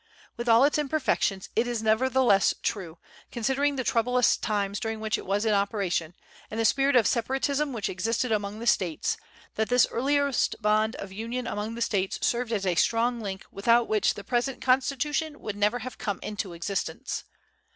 With all its imperfections, it is nevertheless true, considering the troublous times during which it was in operation, and the spirit of separatism which existed among the States, that this earliest bond of union among the States served as a strong link without which the present Constitution would never have come into existence.